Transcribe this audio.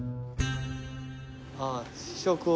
あぁ試食を。